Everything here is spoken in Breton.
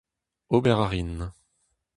Ober a rin.